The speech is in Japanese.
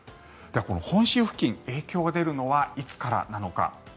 この本州付近、影響が出るのはいつからなのか。